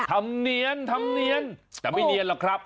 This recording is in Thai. เนียนทำเนียนแต่ไม่เนียนหรอกครับ